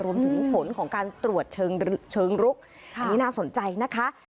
รวมถึงผลของการตรวจเชิงลุกอันนี้น่าสนใจนะคะ